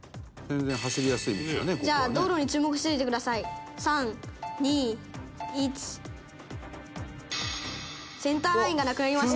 「じゃあ道路に注目しておいてください」「３２１」「センターラインがなくなりました」